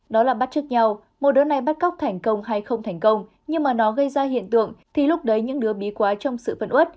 đó là bắt trước nhau một đứa này bắt cóc thành công hay không thành công nhưng mà nó gây ra hiện tượng thì lúc đấy những đứa bí quá trong sự phân uất